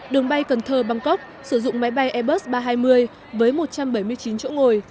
đường bay cần thơ bangkok sử dụng máy bay airbus ba trăm hai mươi với một trăm bảy mươi chín chỗ ngồi